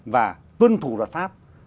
và tuân thủ luật pháp